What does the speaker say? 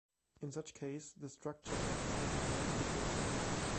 In such case, the structure acts as an electrical generator.